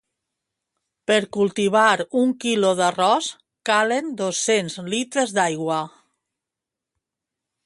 Per cultivar un quilo d'arròs calen dos-cents litres d'aigua